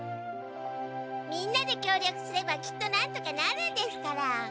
みんなできょうりょくすればきっとなんとかなるんですから。